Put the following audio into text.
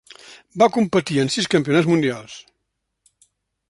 Va competir en sis campionats mundials.